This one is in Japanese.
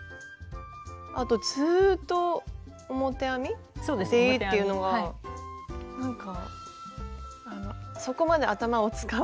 あとずっと表編み？でいいっていうのがなんかそこまで頭を使わずというか。